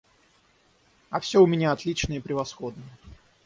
А все у меня отлично и превосходно.